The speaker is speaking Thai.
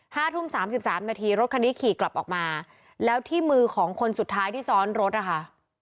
ห้าทุ่มสามสิบสามนาทีรถคันนี้ขี่กลับออกมาแล้วที่มือของคนสุดท้ายที่ซ้อนรถนะคะ